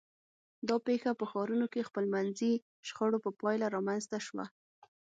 دا پېښه په ښارونو کې خپلمنځي شخړو په پایله رامنځته شوه.